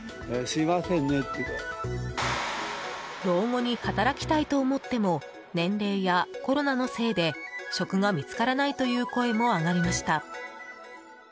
老後に働きたいと思っても年齢やコロナのせいで職が見つからないという声も上がりました。